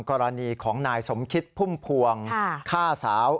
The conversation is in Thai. กรณีของนายสมคิดพุ่มพวงฆ่าสาว